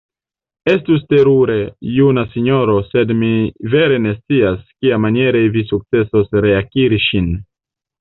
Estus terure, juna sinjoro, sed mi vere ne scias, kiamaniere vi sukcesos reakiri ŝin.